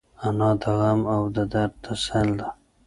انا د غم او درد تسل ده